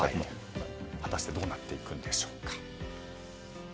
果たしてどうなっていくんでしょうか。